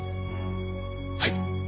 はい。